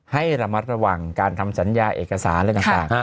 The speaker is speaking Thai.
ให้ระมัดระวังการทำสัญญาเอกสารอะไรต่าง